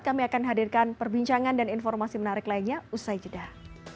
kami akan hadirkan perbincangan dan informasi menarik lainnya usai jeda